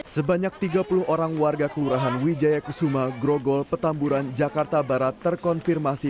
sebanyak tiga puluh orang warga kelurahan wijaya kusuma grogol petamburan jakarta barat terkonfirmasi